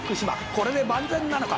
これで万全なのか？」